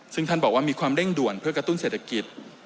ซึ่งท่านบอกว่ามีความเร่งด่วนเพื่อกระตุ้นเศรษฐกิจ